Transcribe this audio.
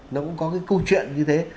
nó cũng có cái câu chuyện như thế